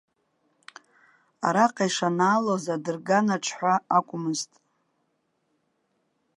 Араҟа ишанаалоз адырганаҿ ҳәа акәмызт.